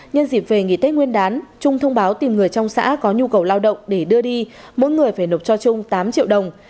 nhân dịp về nghỉ tết nguyên đán trung thông báo tìm người trong xã có nhu cầu lao động để đưa đi mỗi người phải nộp cho trung tám triệu đồng